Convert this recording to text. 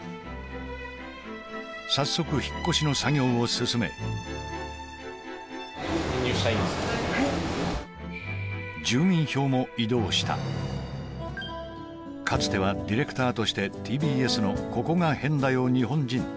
早速引っ越しの作業を進めはいかつてはディレクターとしてＴＢＳの「ここがヘンだよ日本人」